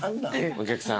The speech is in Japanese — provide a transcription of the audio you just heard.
お客さん。